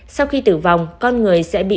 sau khi tử vong con người sẽ bị